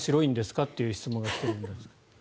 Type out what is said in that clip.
っていう質問が来ているんですが。